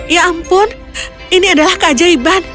ya ampun ini adalah keajaiban